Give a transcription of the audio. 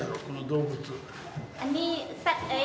この動物。